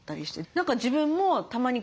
何か自分もたまに